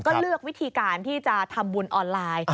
ก็เลือกวิธีการที่จะทำบุญออนไลน์